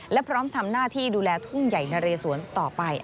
และพร้อมทำหน้าที่ดูแลทุ่งใหญ่นะเรสวนต่อไป